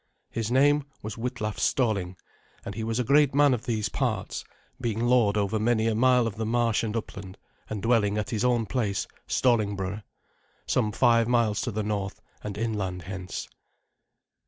His name was Witlaf Stalling, and he was the great man of these parts, being lord over many a mile of the marsh and upland, and dwelling at his own place, Stallingborough, some five miles to the north and inland hence.